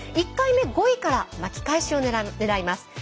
１回目５位から巻きかえしをねらいます。